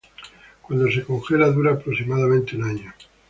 Cuando se congela dura aproximadamente un año.